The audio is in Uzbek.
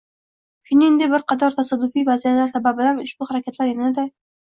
shuningdek, bir qator tasodifiy vaziyatlar sababidan ushbu harakatlar yanada